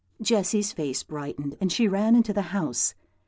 Jessy's face brightened, and she ran into the house.